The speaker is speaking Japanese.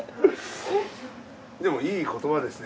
でもいい言葉ですね